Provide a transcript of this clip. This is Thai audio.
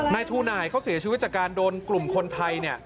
นายทูหน่ายเขาเสียชีวิตจากการโดนกลุ่มคนไทยเนี่ย